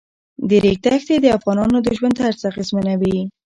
د ریګ دښتې د افغانانو د ژوند طرز اغېزمنوي.